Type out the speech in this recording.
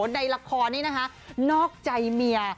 ในละครนี้นะคะนอกใจเมีย